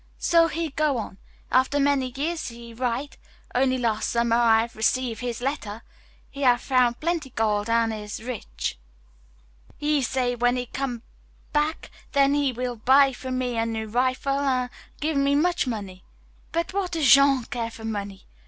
So he go on. After many years he write. Only last summer I have receive his letter. He have found plenty gold, an' is rich. He say when he come back, then he will buy for me a new rifle an' give me much money. But what does Jean care for money?